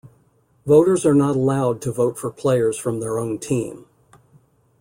Voters are not allowed to vote for players from their own team.